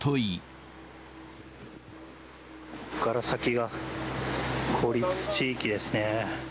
ここから先が孤立地域ですね。